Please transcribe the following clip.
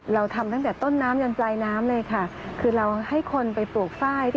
เราทำตั้งแต่ต้นน้ำยันปลายน้ำเลยค่ะคือเราให้คนไปปลูกฝ้าย